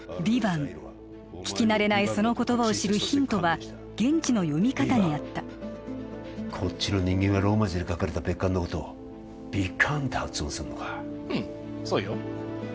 聞き慣れないその言葉を知るヒントは現地の読み方にあったこっちの人間はローマ字で書かれた別館のことをヴィカァンって発音するのかうんそうよ